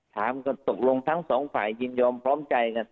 ถามก็ตกลงทั้งสองฝ่ายยินยอมพร้อมใจกัน